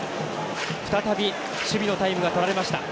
再び守備のタイムがとられました。